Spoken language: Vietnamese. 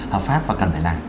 hợp pháp và cần phải làm